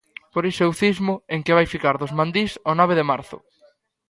Por iso eu cismo en que vai ficar dos mandís o nove de marzo.